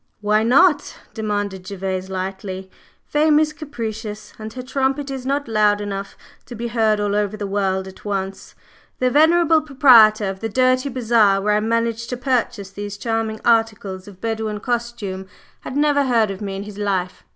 "Why not?" demanded Gervase, lightly. "Fame is capricious, and her trumpet is not loud enough to be heard all over the world at once. The venerable proprietor of the dirty bazaar where I managed to purchase these charming articles of Bedouin costume had never heard of me in his life.